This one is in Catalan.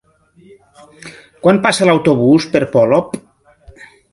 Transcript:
Quan passa l'autobús per Polop?